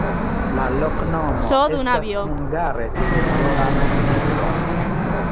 La loknomo estas hungare trezora-minejo.